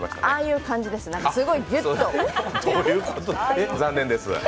ああいう感じです。